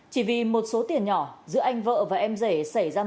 chỉ vì một số tiền nhỏ giữa anh vợ và em rể xảy ra